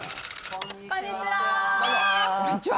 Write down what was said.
こんにちは！